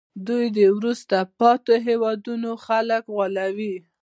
دوی د وروسته پاتې هېوادونو خلک غولوي